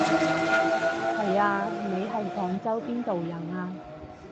係啊，你係廣州邊度人啊？